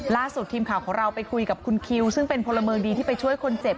ล่าสุดทีมข่าวของเราไปคุยกับคุณคิวซึ่งเป็นพลเมืองดีที่ไปช่วยคนเจ็บ